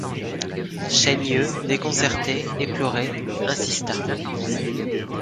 Chaigneux, déconcerté, éploré, insista.